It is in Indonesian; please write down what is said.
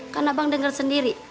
kan abang denger sendiri